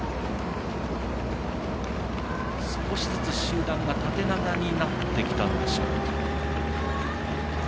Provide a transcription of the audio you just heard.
少しずつ集団が縦長になってきたんでしょうか。